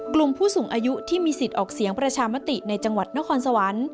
กลุ่มผู้สูงอายุที่มีสิทธิ์ออกเสียงประชามติในจังหวัดนครสวรรค์